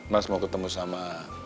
mas mau ketemu sama